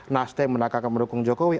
naste mendakarkan mendukung jokowi